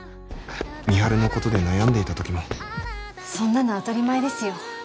美晴のことで悩んでいた時もそんなの当たり前ですよ